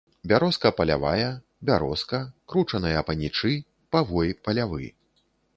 Бярозка палявая, бярозка, кручаныя панічы, павой палявы.